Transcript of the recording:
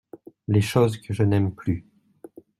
Les choses que je n’aime plus.